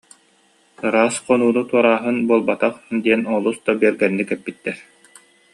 ыраас хонууну туорааһын буолбатах» диэн олус да бэргэнник эппиттэр